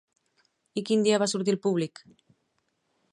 I quin dia va sortir al públic?